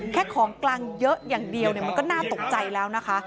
แค่ของกลางเยอะอย่างเดียวมันก็น่าตกใจแล้วนะคะ